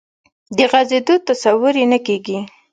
د غځېدو تصور یې نه کېږي.